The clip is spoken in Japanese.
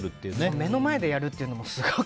目の前でやるというのもすごく。